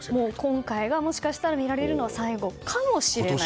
今回が、もしかしたら見られるのが最後かもしれないと。